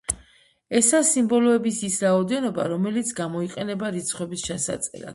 ესაა სიმბოლოების ის რაოდენობა რომელიც გამოიყენება რიცხვების ჩასაწერად.